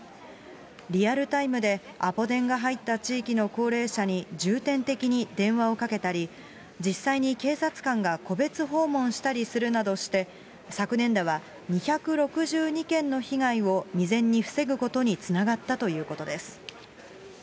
リアルタイムでアポ電が入った地域の高齢者に重点的に電話をかけたり、実際に警察官が戸別訪問したりするなどして、昨年度は２６２件の被害を未然に防ぐことにつながったということです。